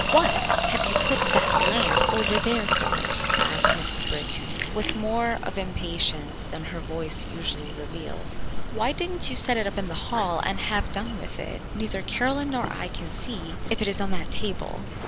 "What have you put that lamp over there for?" asked Mrs. Brigham, with more of impatience than her voice usually revealed. "Why didn't you set it in the hall and have done with it? Neither Caroline nor I can see if it is on that table."